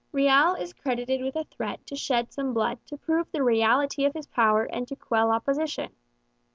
Riel is credited with a threat to shed some blood to prove the reality of his power and to quell opposition.